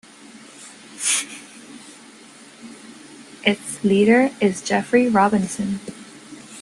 Its leader is Jeffery Robinson.